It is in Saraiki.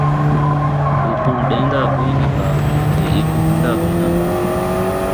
اون٘کوں ݙین٘دا کوئی نہ ہا تے این٘کوں گھندا کوئی نہ ہا